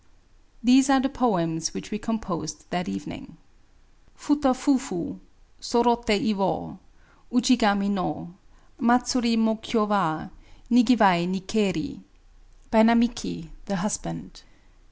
These are the poems which we composed that evening :— Futa fufu Sorote iwo, Ujigami no Matsuri mo kyo wa Nigiwai ni keri. — By Namiki (^tbe husband).